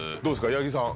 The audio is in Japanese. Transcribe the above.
八木さん